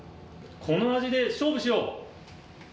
この味で勝負しよう！